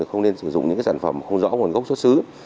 không nên sử dụng những sản phẩm không rõ nguồn gốc xuất xứ